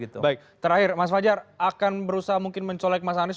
terakhir mas fajar akan berusaha mungkin mencolek mas anies